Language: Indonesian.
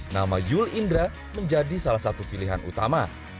nama yul indra menjadi salah satu pilihan utama